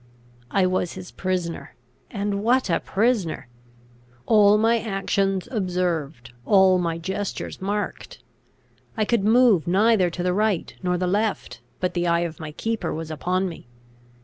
I was his prisoner; and what a prisoner! All my actions observed; all my gestures marked. I could move neither to the right nor the left, but the eye of my keeper was upon me.